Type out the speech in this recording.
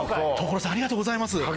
所さんありがとうございます！